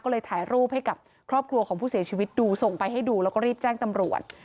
ก็เลยถ่ายรูปให้กับครอบครัวของผู้เสียชีวิตดูส่งไปให้ดูแล้วก็รีบแจ้งตำรวจ